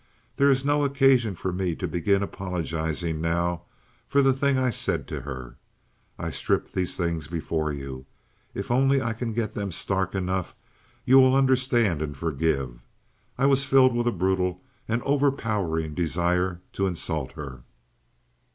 There is no occasion for me to begin apologizing now for the thing I said to her—I strip these things before you—if only I can get them stark enough you will understand and forgive. I was filled with a brutal and overpowering desire to insult her.